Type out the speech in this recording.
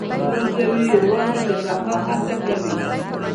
نور ژوي یواځې د بقا هڅه کوي.